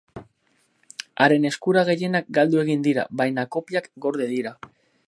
Haren eskultura gehienak galdu egin dira baina kopiak gorde dira.